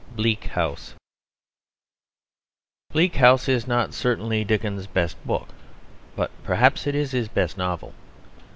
BLEAK HOUSE Bleak House is not certainly Dickens's best book; but perhaps it is his best novel.